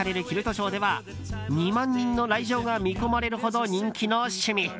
キルトショーでは２万人の来場が見込まれるほど人気の趣味。